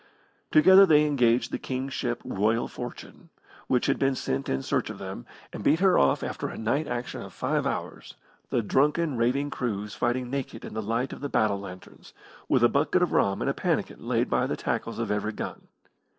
Together they engaged the King's ship Royal Fortune, which had been sent in search of them, and beat her off after a night action of five hours, the drunken, raving crews fighting naked in the light of the battle lanterns, with a bucket of rum and a pannikin laid by the tackles of every gun.